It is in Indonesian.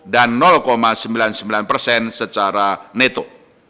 dan sembilan puluh sembilan persen secara neto